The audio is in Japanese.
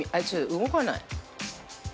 動かない。